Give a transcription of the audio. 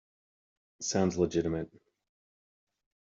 Sounds legitimate.